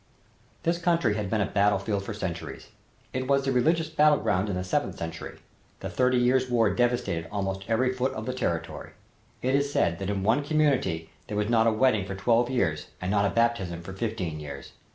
This country has been a battlefield for centuries. It was the religious battleground in the seventh century. The Thirty Years War devastated almost every foot of the territory. It is said that in one community there was not a wedding for twelve years and not a baptism for fifteen years.